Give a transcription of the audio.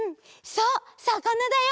そうさかなだよ！